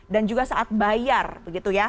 dan juga saat bayar begitu ya